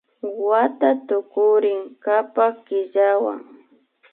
Wata tukurin kapak killawan